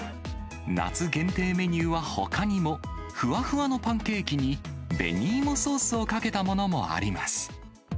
夏限定メニューはほかにも、ふわふわのパンケーキに紅芋ソースをかけたものもあります。